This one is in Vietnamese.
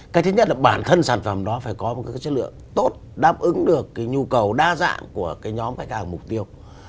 cái thứ nhất là bản thân sản phẩm đó phải có một cái chất lượng tốt đáp ứng được cái nhu cầu đa dạng của cái nhóm khách hàng mục tiêu